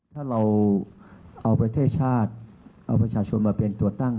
ถ้าเราเอาประเทศชาติเอาประชาชนมาเป็นตัวตั้ง